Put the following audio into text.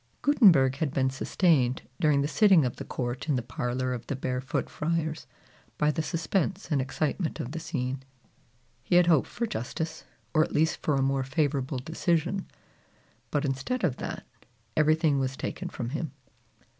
Gutenberg had been sustained, during the sitting of the court in the parlor of the Barefoot Friars, by the suspense and excitement of the scene. He had hoped for justice, or at least for a more favorable decision; but instead of that, everything was taken from him.